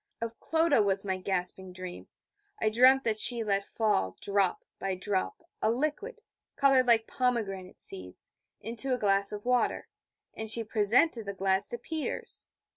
Of Clodagh was my gasping dream. I dreamed that she let fall, drop by drop, a liquid, coloured like pomegranate seeds, into a glass of water; and she presented the glass to Peters.